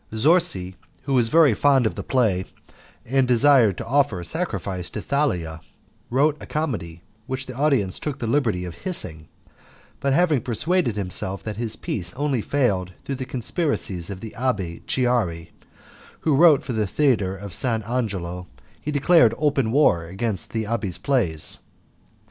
Zorzi, who was very fond of the play, and desired to offer a sacrifice to Thalia, wrote a comedy which the audience took the liberty of hissing; but having persuaded himself that his piece only failed through the conspiracies of the Abbé Chiari, who wrote for the Theatre of St. Angelo, he declared open war against all the abbé's plays.